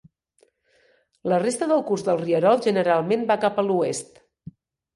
La resta del curs del rierol generalment va cap a l'oest.